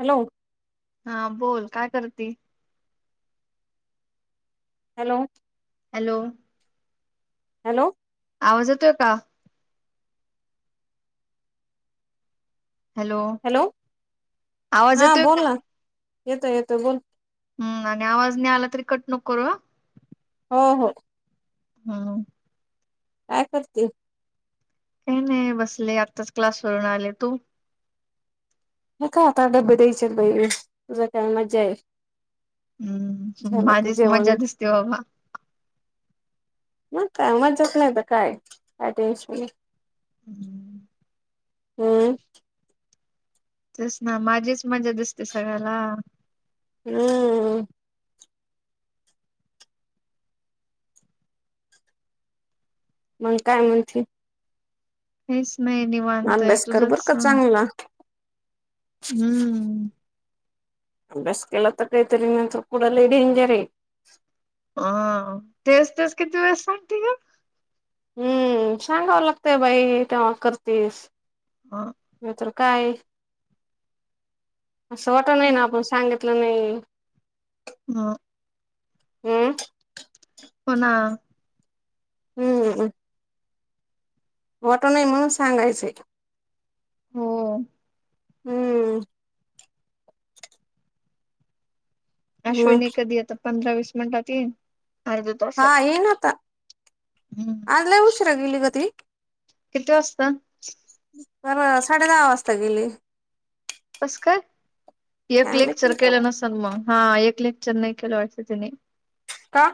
Hello. हा. बोल काय करती? हॅलो. हॅलो. हॅलो. आवाज येतोय का? हॅलो. आवाज हां येतोय का? बोल ना. येतोय येतोय बोल. हम्. आणि आवाज नाही आला तरी कट नको करू हां. हो हो. हा. काय करते? काही नाही बसले. आत्ताच क्लासवरून आले. तू? हे काय आता डब्बे द्यायचेत बाई. तुझ काय मज्जाए. हम्म. माझीच मजा जेवण दिसते बाबा. मग काए? मज्जाच नाही तर कायए? काय टेन्शन नाही. हम्म. हम्म. तेच ना. माझीच मजा दिसते सगळ्याला. हम्. मग काय म्हणती? काहीच नाही निवांत आहे. अभ्यास कर तुझंच बर का सांग? चांगला हम्म. अभ्यास केलात काय तरी मिळत पुढे लय डेंजर आहे. ह तेच तेच किती वेळेस सांगतोय ग... हम्म सांगावं लागतंय बाई तेव्हा करतेस... हा... म तर काय.. असं वाटू नये ना आपण सांगित... नाही... हा... हम्म.... हो ना.... हम्म.... फोटो नाही म्हणून सांगायचे.... हो.... हम्म.... अश्विनी मग कधी येता पंधरा वीस मिनिटात येईन अजून... हा येईन आता हम्म आज लई उशिरा गेली गं ती..... किती वाजता... बरं साडे दहा वाजता गेली.... कस काय एक काय माहित लेक्चर तिला केलं नसल मग हा एक लेक्चर नाही केलं वाटत तिने.... का?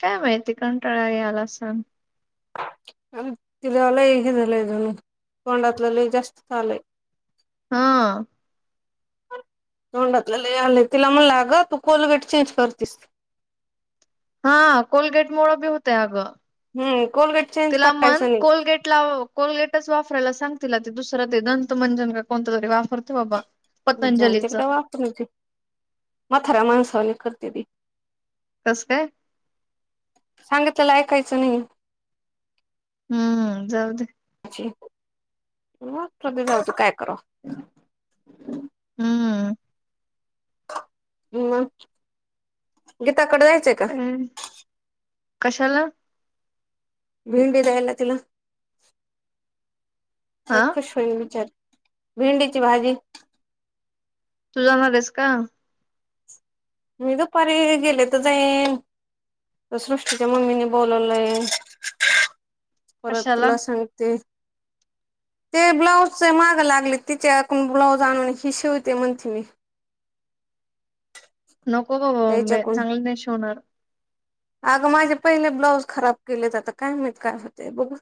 काय माहिती कंटाळा ही आला असल.. अ तिला लई हे झालंय जणु तोंडातलं लई जास्त झालंय... हा... तोंडातल लय आलय तिला म्हणल आग तू कोलगेट चेंज करतेस.... हा कोलगेट मुळं बी होतय अग हम्म कोलगेट चेंज तिला म्हण करायचं कोलगेट लावं... कोलगेटचं वापरायला सांग तीला ते दुसरं ते दंत मंजन का कोणत तरी वापरतो बाबा.... हम्म पतंजलीच आमच्याकडे ते ती म्हताऱ्या माणसावाने करते ती... कसं काय? सांगितलेलं ऐकायचं नाही.. हम्म जाऊ दे.... काय करावं... हम्म... मग गीताकडं जायचंय... का कशाला? भिंडी द्यायला ना तिला हा खुश... हम विचार भेंडीची भाजी... तू जाणार आहेस का? मी दुपारी गेले तर जाईन सृष्टीच्या मम्मीने बोलवलंय... परत कशाला तुला सांगते.... ते ब्लाऊजचे मागं लागले तिच्या कोण ब्लाऊज आणून ही शिवते म्हणते मी.... नको गं म मम्मे त्याच्याकडून चांगल नाही शिवणार ती.... अगं माझे पहिले ब्लाऊज खराब केलेत आता काय माहित काय होत बघु...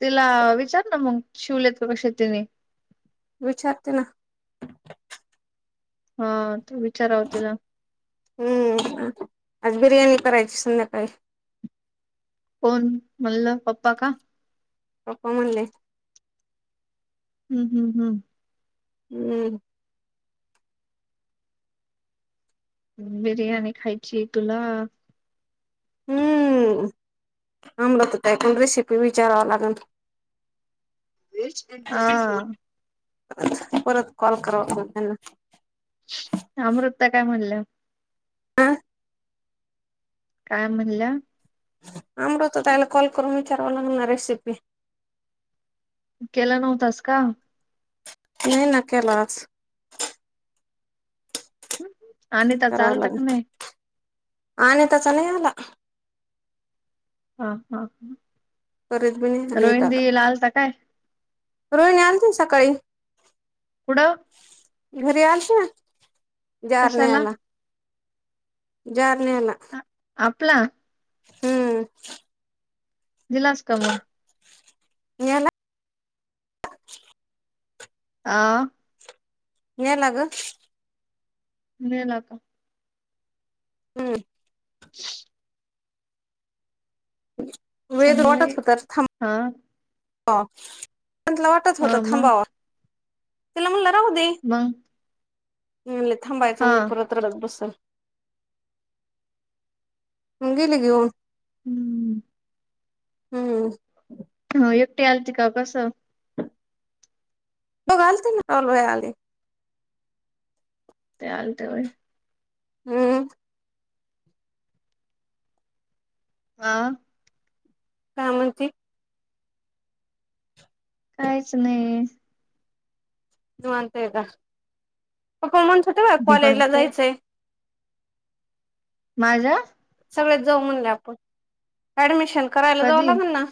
तिला विचार ना मग शिवलेत का कसे तिने.... विचारते ना... हा ती विचाराव तिला... हम्म आज बिर्याणी करायची संध्याकाळी.... कोण म्हणलं पप्पा का? पप्पा म्हणले... हम्म हम्म हम्म... हम्म... बिर्याणी खायची तुला... हम्म आमला त कायं पण रेसिपी विचारावं लागनं आ परत कॉल करावा लागेन ना अमृतं ताई काय म्हणल्या हा काय म्हणल्या अमृता ताईंला कॉल करून विचारव लागना रेसिपी केला नव्हतास का नाही ना केला आज [unintelligible] त्याचा करावं आलता का नाही लागनं आणि त्याचा नाही आला का हा हा ह करीत बी नाही रोहिणी अनिताचा दि ला आलता काय रोहिणी आलती ना सकाळी कुडं घरी आलते जार कशाला न्यायला जार न्यायला आपला हम्म दिला असता मंग गेला आ गेला ग नेला का हम् [unintelligible] [inaudible] हं म्हटलं चांगले हा वाटतच होत हा मग थांबावा तिला म्हणलं राहू दे मग हिले हा थांबायचं नाही परतं रडत बसल मग गेले घेऊन [unintelligible] हम्म ह एकटी आलती का कसं [inaudible] ते आलते होय हम्म आ काय म्हणती काहीच नाही जामतंय का सकाळी म्हणतं होती बाई आज कॉलेज ला निवांत आहे जायचंय माझ्या सगळेचं जाऊ म्हणले आपण ऍडमिशन करायला जावा कधी लागलं ना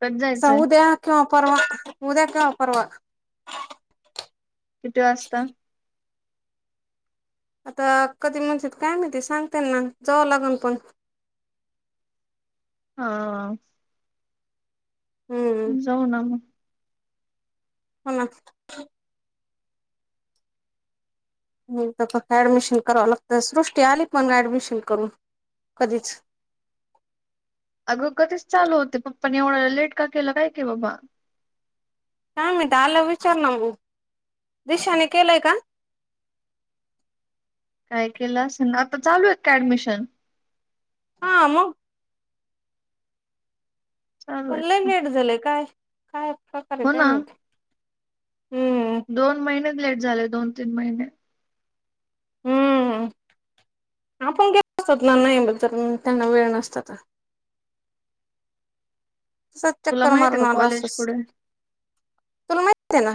कधी जायचंय उद्या किं वा परवा उद्या किंवा परवा किती वाजता आता कधी निघतील काय माहिती सांगतीलना जाव लागन पण हा हम्म जाऊ ना मग हो ना तर फक्त ऍडमिशन करावं लागत सृष्टी आली पण ऍडमिशन करून कधीच अगं कधीच चालू होते पप्पानी एवढं लेट का केलं काय की बाबा काय माहित आल्यावर विचार ना तू दिशांनी केलय का काय केलं असणं आता चालूय काय ऍडमिशन. हा मग. चालू पण आहेत लई का लेट झालंय काय काय प्रकार हो काय ना माहिती. हम्म दोन महिनेच लेट झाले दोन तीन महिने. हो आपण गेलो असत ना त्यांना वेळ नसत्यात. सात तुला चक्कर माहिती मारून आहे का आला कॉलेज असस. पुढे तुला माहीती आहे ना.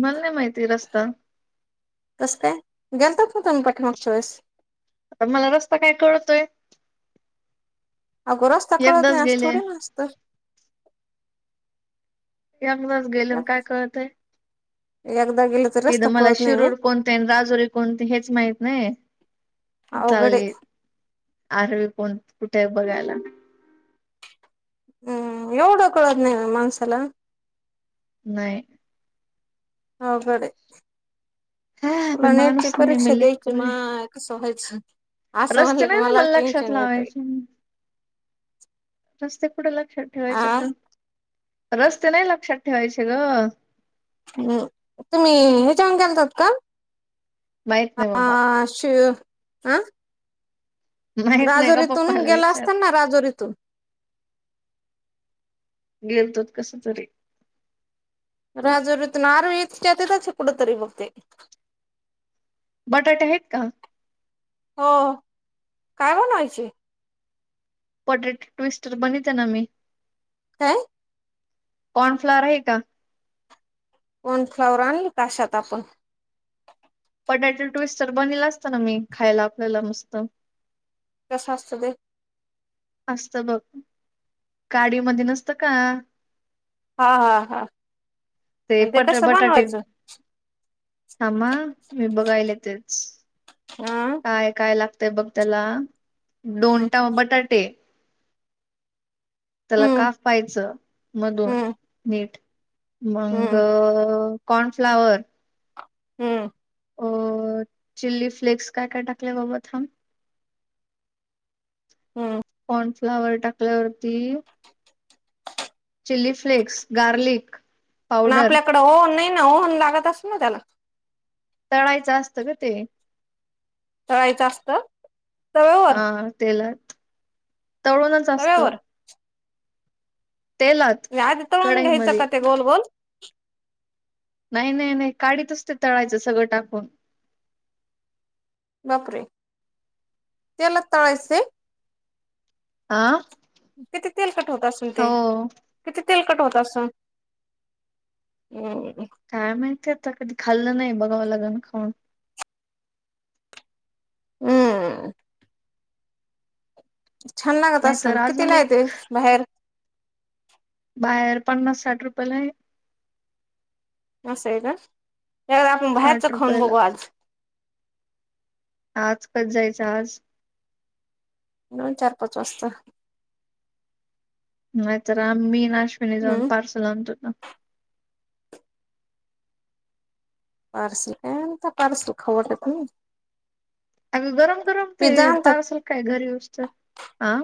मला नाही माहिती रस्ता. तस काय गेलतात ना तुम्ही पाठिमागच वेळेस. मला रस्ता काय कळतोय. अगं कळत एकदाच नाही गेले थोडी ना असतं. यंगच गेले काय कळतय एकदा गेलं तर एकद रस्ता मला कळत नाही व्हय शिरूड. कोणते राजोरी कोणते हेच माहित नाही अवघड आहे चालली. आरवी कोण कुठे बघायला. हम्म येवडाकळत नाहीे माणसाला. नाही. अवघड हाय हा मी तुला नेटची माणूस नाही परीक्षा मी द्यायची लेकरू आहे. मग, कसं व्हायचं असं म्हणलं रस्ते की नाही ना मला लक्षात टेनशन येतय. लावायचे. रस्ते कुठे लक्षात ठेवायचे आ तर रस्ते नाही लक्षात ठेवायचे ग. हम् तुम्ही हे जेवण केलतहात का. माहित नाही हा बाबा आ शिळ आ. माहित नाही का राजोरीतून पप्पाला गेला विचार असता ना राजोरीतून. गेलतो कस तरी. राजुरी इथून आरोळी इथ त्यातच हाय कुठेतरी बघ ते. बटाटे आहेत का. हो काय म्हणायचे. पटेट ट्विस्टर बनिते ना मी. काय. कॉर्न फ्लॉवरर आहे का. कॉर्नफ्लावर आणली काशात आपण, पटॅटो ट्विस्ट तरर बनला असत ना मी खायला आपल्याला मस्त. कश असत ते. असत बघ गाडी मध्ये नसत का. हा हा हा ते कसं बनवायचं. थांब मी बघायला तेच. हा आ. काय काय लागतंय बघ त्याला दोन हम्म टा बटाटे. त्याला हम्म काफयच मधून हम्म नीट मग. हम्म कॉर्नफ्लावर. हम्म. अ चिली फ्लेक्स काय काय टाकल्या बाबत थांम. हम्म. कॉर्नफ्लावर टाकल्यावरती. Chilli flakes garlic. पण पावडर आपल्याकडं ओहन नाही ना ओहन लागत अस ना त्याला. तळाायचं असतं ग ते. कळायचं असतं. तव्यावर हा तेलात तळूणच असत. तव्यावर तेलात आधी तळून घ्यायचं कढाईमध्ये का ते गोल गोल. नाही नाही नाही काढत असते तळायचं सगळं टाकून. बापरे त्याला तळायचे. आह किती तेल कट होत असेल ते, किती तेल कट होत असम्. काय माहितीय आता कधी खाल्लं नाही बघावं लागे ना खाऊन. हम् छान लागत असून नाहीतर किती अजून नाही ते एक बाहेर बाहेर पन्नास साठ रुपयाला आहे. अस स का आपण भायच साठ खान रुपयाला बघू आज, आज कस जायचं आज दोन चार पाच वाजता. नाही तर आम मी नाश्नी जाऊन हम्म पार्ल आणतो ना. पार्स एता पार्स खवर त अगं गरम गरम ते पिझ्झा आणतात पार्सल काय घरी गष्टत ह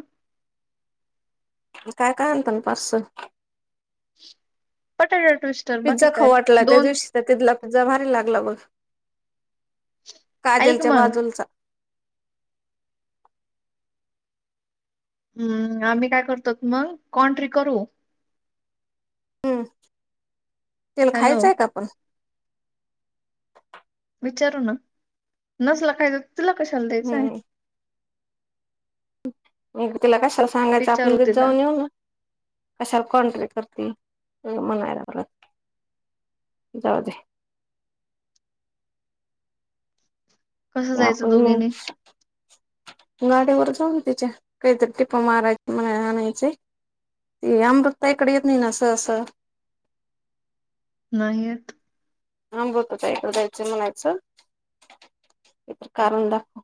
काय काय अंत ना पाच पटाट टूस्. पिझ्झा खांटला त्या दिवशी. तर तिथला पिझ्झा भारी लागला बघ ऐक काजलच्या मग बाजूचा ष हम्म आम्ही काय करतो मग कोण तरी करू ह् तेल हॅलो खायचंय का आपण, विचारू न नसला काायच तुला कशाला द्यायचंय. हम्म म तिला कशाला सांगायचं आपण विचारू तेेत तिला जाऊन येऊ ना. कशाला कॉन्टरी करतील म्हणायला. जाऊतदे कसं या जायचं आपण. दोघीनी गाडीवर जाऊन तिच्या काहीतरी टिप माराय म आणायचे. आम बघता इकडे येत नाही नासं असं. नाहीत. हां बतोक जायचं म्हणायचं इतर कारण दाखव.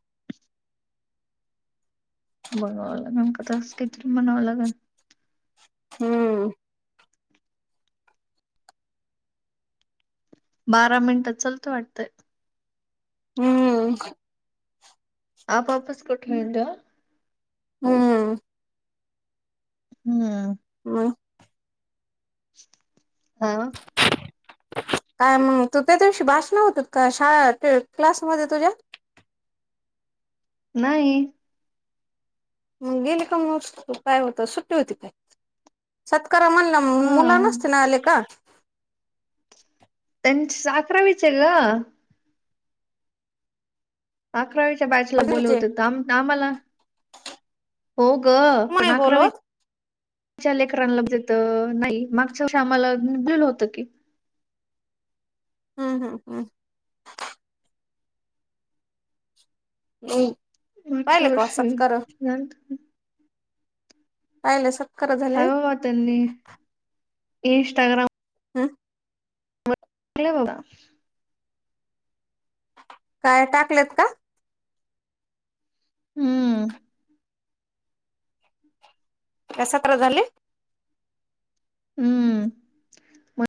बनवावं लागेल न का तस कितीरी बनवं लागेल. हम्म. बारा मिनिटं लत वाटतंय. हम्म आप वापस कोठेही जा, हम्म, हम्म. हम् हा. काय मग तू त्याच्या दिवशी भाषण होत का शाळा क्लासमध्येध्ये तुझ्या, नाही मग गेली का मग काय होत सुट्टी होती काय. सत्कार म्हणला मुला हा नसते ना आले का. त्यां अकरावीच आहेल का अकरावीच्या बायचला बोल घरचे होते तर आम आम्हाला, हो ग पण नाही अकरावी बोलवत च्या लेकरांलाेत नाही मागच्या आम्हाला निपलेलं होतं की, हम्म हम हम् हम मागच्या पाहिले का वर्षी वासप कर. कायला स, हर्व बातनी इनस्टाग्राम, हम उठले बघा काय टाकलेत का. हम्म काय सतरा झाले. हम्म म